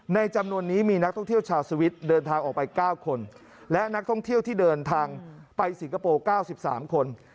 จำนวนนี้มีนักท่องเที่ยวชาวสวิตช์เดินทางออกไป๙คนและนักท่องเที่ยวที่เดินทางไปสิงคโปร์๙๓คน